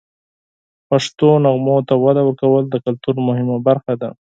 د پښتو نغمو ته وده ورکول د کلتور مهمه برخه ده.